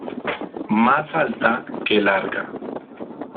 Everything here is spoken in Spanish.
Más alta que larga.